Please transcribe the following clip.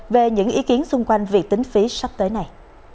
về những ý kiến xung quanh việc tính phí sắp tới này